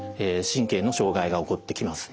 神経の障害が起こってきます。